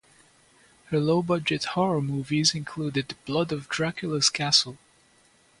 Her low-budget horror movies included Blood of Dracula's Castle.